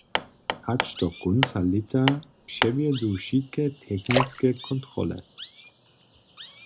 Hač do kónca lěta přewjedu wšitke techniske kontrole.